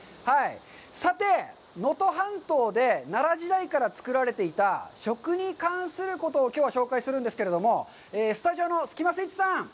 さて、能登半島で奈良時代から作られていた食に関することをきょうは紹介するんですけど、スタジオのスキマスイッチさん。